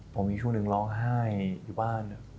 ผมมีช่วงหนึ่งร้องไห้อยู่บ้าน